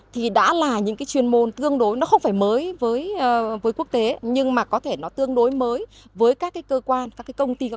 thì đã là những chuyên môn tương đối không phải mới với quốc tế nhưng có thể tương đối mới với các cơ quan các công nghiệp